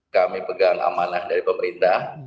kami pegang amanah dari pemerintah